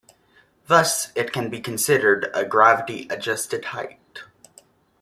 Thus it can be considered a "gravity-adjusted height".